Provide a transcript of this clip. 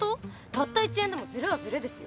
たった１円でもずれはずれですよ。